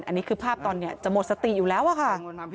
อันนี้คือภาพตอนจะหมดสติอยู่แล้วอะค่ะ